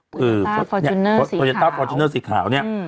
คือฟอร์จูเนอร์สีขาวฟอร์จูเนอร์สีขาวเนี้ยอืม